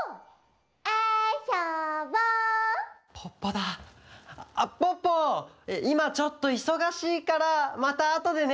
ポッポいまちょっといそがしいからまたあとでね！